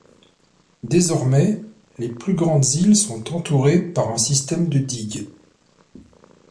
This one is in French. Désormais, les plus grandes îles sont entourées par un système de digues.